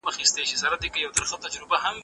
زه به اوږده موده واښه راوړلي وم؟!